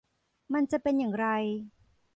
มันจะเป็นอย่างไร